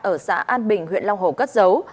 ở xã an bình huyện long hồ cất dấu